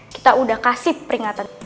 kita udah kasih peringatan